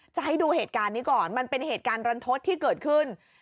จะให้ดูเหตุการณ์นี้ก่อนมันเป็นเหตุการณ์รันทศที่เกิดขึ้น